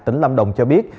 tỉnh lâm đồng cho biết